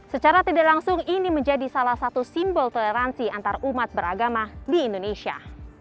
secara tidak langsung ini menjadi salah satu simbol toleransi antarumat beragama di indonesia